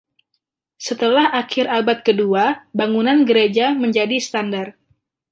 Setelah akhir abad kedua, bangunan gereja menjadi standar.